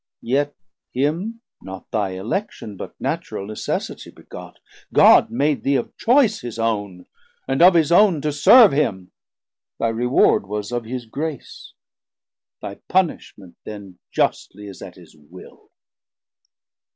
yet him not thy election, But Natural necessity begot. God made thee of choice his own, and of his own To serve him, thy reward was of his grace, Thy punishment then justly is at his Will.